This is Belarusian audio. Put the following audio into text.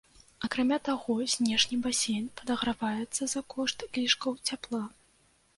Акрамя таго, знешні басейн падаграваецца за кошт лішкаў цяпла.